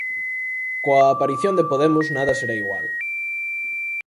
Coa aparición de Podemos nada será igual.